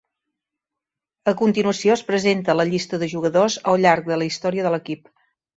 A continuació es presenta la llista de jugadors al llarg de la història de l'equip.